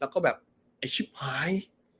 แล้วก็แบบไอ้ชิปพาย